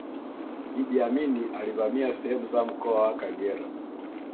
iddi amini alivamia sehemu za mkoa wa kagera